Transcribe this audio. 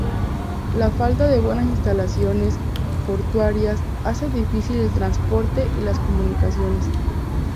La falta de buenas instalaciones portuarias hace difícil el transporte y las comunicaciones.